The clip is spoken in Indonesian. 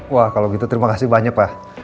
wah kalau gitu terima kasih banyak pak